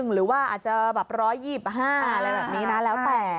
หรือว่าอาจจะแบบ๑๒๕อะไรแบบนี้นะแล้วแต่